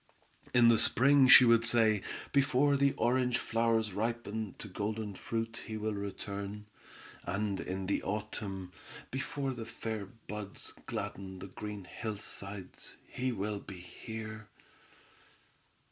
In the spring she would say: "Before the orange flowers ripen to golden fruit he will return," and in the autumn, "before the fair buds gladden the green hillsides he will be here!"